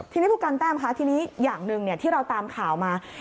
ทีนี้ผู้การแต้มคะทีนี้อย่างหนึ่งที่เราตามข่าวมา